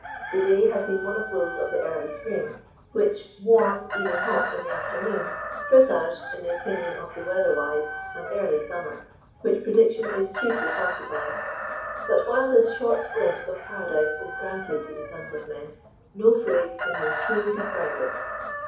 The day had been one of those of the early spring, which warm, even hot, in the afternoon, presage, in the opinion of the weather wise, an early summer, which prediction is chiefly falsified. But while this short glimpse of Paradise is granted to the sons of men, no phrase can more truly describe it.